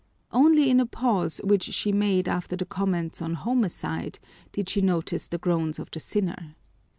Only in a pause which she made after the comments on homicide, by violence did she notice the groans of the sinner.